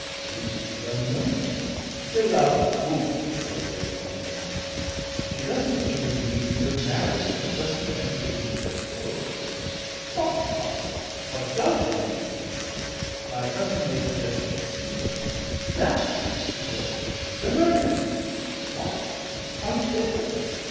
"She's a mermaid." "She's a fool," said Lady Poynting Mallow. "She doesn't even mean to marry him; it doesn't enter into her code." "The hussy! What does she mean?" My cousin made a gesture seaward. "That!" he said. "She's a mermaid." "What?" "Out there."